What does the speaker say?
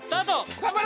頑張れ！